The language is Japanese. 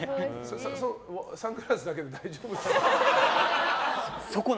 サングラスだけで大丈夫ですか？